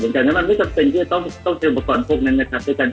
เหมือนกันมันไม่จะเป็นที่ต้องเชื่อประกอบพวกนั้นนะครับด้วยการ